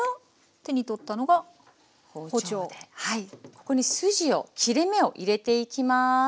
ここに筋を切れ目を入れていきます。